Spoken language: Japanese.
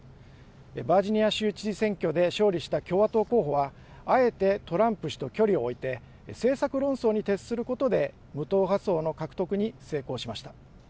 バージニア州知事選挙で勝利した共和党候補は、あえて、トランプ氏と距離を置いて、政策論争に徹することで無党派層の獲得に成功しました。